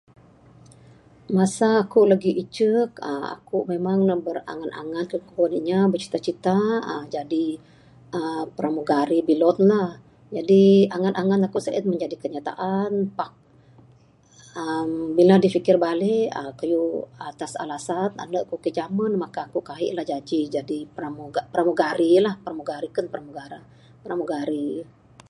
Masa aku lagi icek aaa aku memang ne berangan-angan kayuh kuen inya bercita-cita aaa jadi aaa pramugari bilon laa, jadi angan-angan aku se'en meh jadi kenyataan. Pak aaa bila difikir balik aaa kayuh atas alasan ande ku kijamen maka aku kaik lah jadi pramuga ... pramugari lah ken pramugara, pramugari.